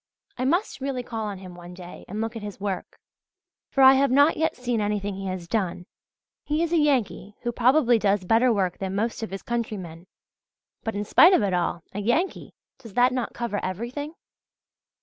I must really call on him one day, and look at his work; for I have not yet seen anything he has done. He is a Yankee who probably does better work than most of his countrymen; but in spite of it all a Yankee! Does that not cover everything?